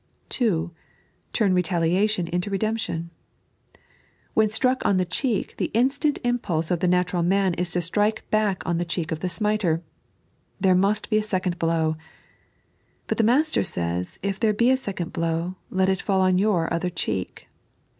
(2) Twm retaliation into r«den»ption. When struck on the cheek the instant Impulse of the natural man is to stoike back on the cheek of the smiter. There must be a second blow. But the Master says if there be a second blow, let it fall on your other cheek.